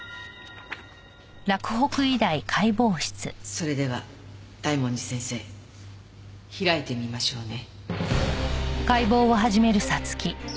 それでは大文字先生開いてみましょうね。